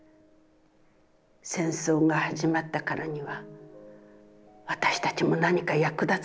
戦争が始まったからには、私たちも何か役立つべきだった。